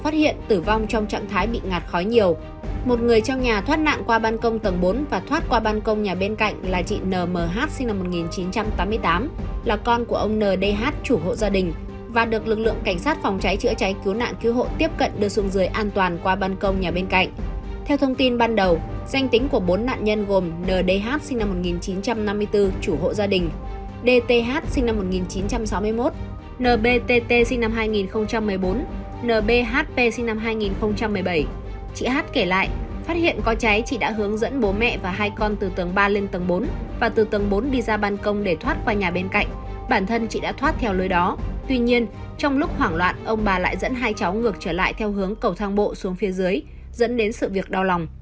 trong lúc hoảng loạn ông bà lại dẫn hai cháu ngược trở lại theo hướng cầu thang bộ xuống phía dưới dẫn đến sự việc đau lòng